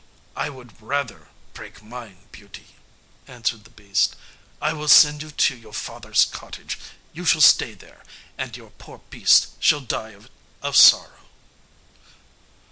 "I would rather break mine, Beauty," answered the beast; "I will send you to your father's cottage, you shall stay there, and your poor beast shall die of sorrow."